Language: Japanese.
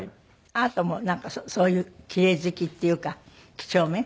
あなたもそういう奇麗好きっていうか几帳面？